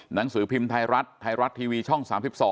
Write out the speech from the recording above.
หนังสือพิมพ์ไทยรัฐไทยรัฐทีวีช่อง๓๒